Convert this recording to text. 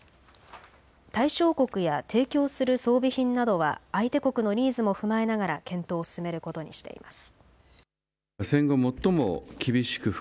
対象国や提供する装備品などは相手国のニーズも踏まえながら検討を進めることにしています。